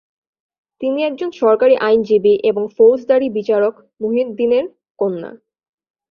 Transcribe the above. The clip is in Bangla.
তিনি একজন সরকারি আইনজীবী এবং ফৌজদারি বিচারক মুহিদ্দিনের কন্যা।